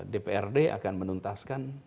dprd akan menuntaskan